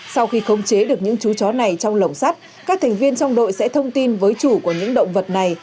sau khi khống chế được những chú chó này trong lồng sắt các thành viên trong đội sẽ thông tin với chủ của những động vật này